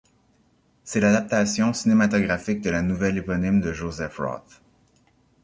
C'est l'adaptation cinématographique de la nouvelle éponyme de Joseph Roth.